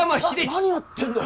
何やってんだよ